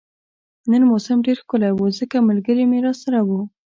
نن موسم ډیر ښکلی وو ځکه ملګري مې راسره وو